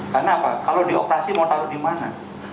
karena apa kalau dioperasi mau taruh di mana